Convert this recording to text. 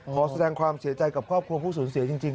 ขอแสดงความเสียใจกับครอบครัวผู้สูญเสียจริง